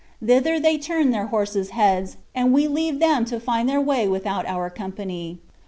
Thither they turned their horses' heads, and we will leave them to find their way without our company.